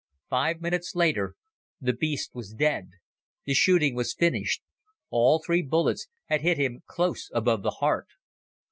Five minutes later the beast was dead. The shooting was finished. All three bullets had hit him close above the heart.